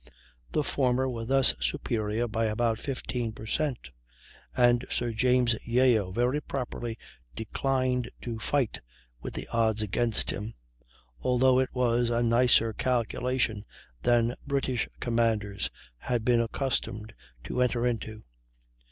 The former were thus superior by about 15 per cent., and Sir James Yeo very properly declined to fight with the odds against him although it was a nicer calculation than British commanders had been accustomed to enter into.